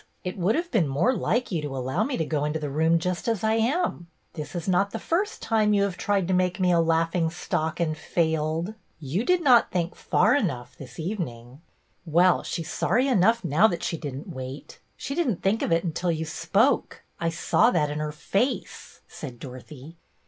It would have been more like you to allow me to go into the room just as I am. This is not the first time you have tried to make me a laughing stock and failed. You did not think far enough this evening." " Well, she 's sorry enough now that she did n't wait. She did n't think of it until you spoke. I saw that in her face," said Dorothy.